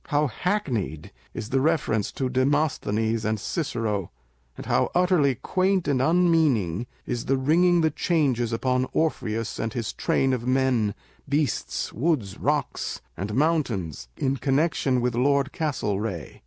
How hackneyed is the reference to Demosthenes and Cicero, and how utterly quaint and unmeaning is the ringing the changes upon Orpheus and his train of men, beasts, woods, rocks, and mountains in connection with Lord Castlcreagh!